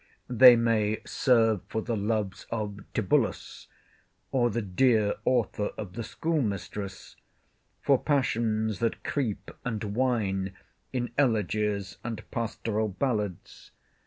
They may serve for the loves of Tibullus, or the dear Author of the Schoolmistress; for passions that creep and whine in Elegies and Pastoral Ballads.